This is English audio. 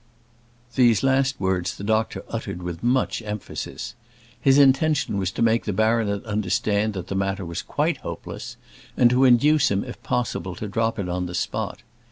These last words the doctor uttered with much emphasis. His intention was to make the baronet understand that the matter was quite hopeless, and to induce him if possible to drop it on the spot.